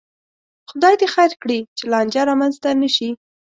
خدای دې خیر کړي، چې لانجه را منځته نشي